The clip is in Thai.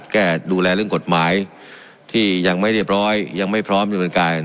แก้ดูแลเรื่องกฎหมายที่ยังไม่เรียบร้อยยังไม่พร้อมดำเนินการ